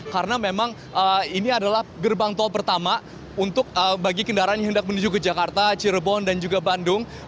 karena memang ini adalah gerbang tol pertama untuk bagi kendaraan yang hendak menuju ke jakarta cirebon dan juga bandung